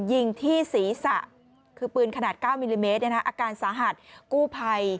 ยิงที่ศีรษะคือปืนขนาด๙มิลลิเมตรอาการสาหัสกู้ภัย